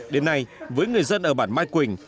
đến nay với người dân ở bản mai quỳnh